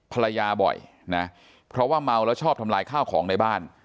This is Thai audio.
ภรรยาบ่อยนะเพราะว่าเมาแล้วชอบทำลายข้าวของในบ้าน